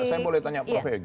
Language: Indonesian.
saya boleh tanya prof egy